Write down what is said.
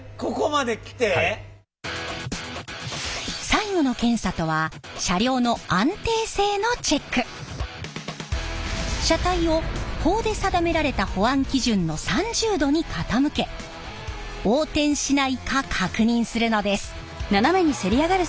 最後の検査とは車体を法で定められた保安基準の３０度に傾け横転しないか確認するのです。